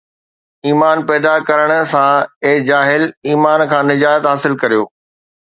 ايمان پيدا ڪرڻ سان، اي جاهل، ايمان کان نجات حاصل ڪريو